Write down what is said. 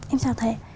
em chào thầy